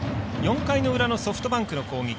４回の裏のソフトバンクの攻撃。